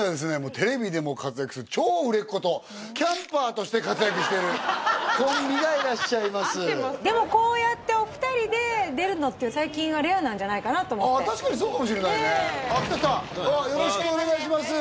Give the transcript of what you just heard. テレビでも活躍する超売れっ子とキャンパーとして活躍してるコンビがいらっしゃいますでもこうやってお二人で出るのって最近はレアなんじゃないかなと思って確かにそうかもしれないねああ来た来たよろしくお願いします